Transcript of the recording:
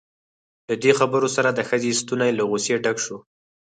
له دې خبرو سره د ښځې ستونی له غصې ډک شو.